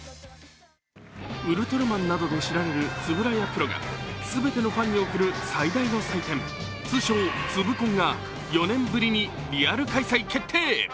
「ウルトラマン」などで知られる円谷プロが全てのファンに送る最大の祭典、通称ツブコンが４年ぶりにリアル開催決定。